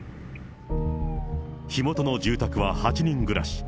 火元の住宅は８人暮らし。